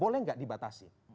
boleh tidak dibatasi